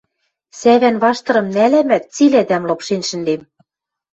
Сӓвӓн ваштырым нӓлӓмӓт, цилӓдӓм лыпшен шӹндем.